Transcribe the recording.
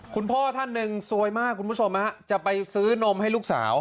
คุณพ่อท่านหนึ่งซวยมากคุณผู้ชมจะไปซื้อนมให้ลูกสาว